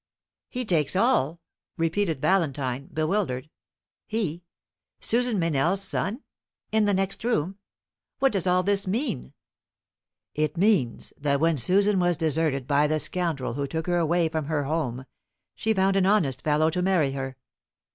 "He takes all!" repeated Valentine, bewildered. "He! Susan Meynell's son? in the next room? What does all this mean?" "It means that when Susan was deserted by the scoundrel who took her away from her home, she found an honest fellow to marry her.